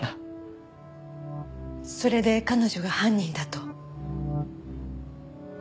それで彼女が犯人だと？